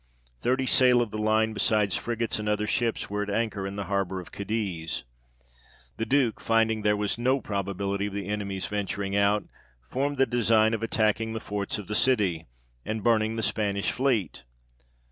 Thirty sail of the line, besides frigates and other ships, were at anchor in the harbour of Cadiz. The Duke, rinding there was no probability of the enemy's venturing out, formed the design of attack ing the forts of the city, and burning the Spanish fleet.